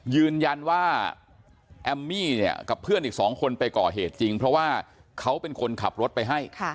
ยืนยันว่าแอมมี่เนี่ยกับเพื่อนอีกสองคนไปก่อเหตุจริงเพราะว่าเขาเป็นคนขับรถไปให้